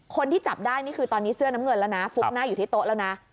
คนที่จับได้นี่คือตอนนี้เสื้อน้ำเงินแล้วนะฟุบหน้าอยู่ที่โต๊ะแล้วนะ